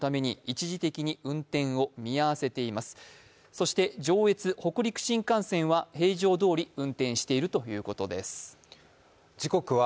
そして上越・北陸新幹線は平常どおり運転しているということです。